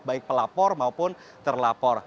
baik pelapor maupun terlapor